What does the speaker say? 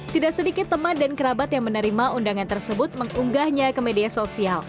tidak sedikit teman dan kerabat yang menerima undangan tersebut mengunggahnya ke media sosial